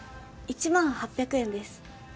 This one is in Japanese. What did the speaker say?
１万８００円です。